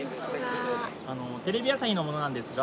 テレビ朝日の者なんですが。